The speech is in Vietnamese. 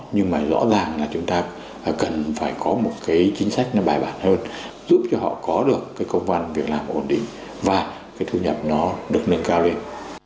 nhưng mà rõ ràng là chúng ta cần phải có một cái chính sách nó bài bản hơn giúp cho họ có được cái công văn việc làm ổn định và cái thu nhập nó được nâng cao lên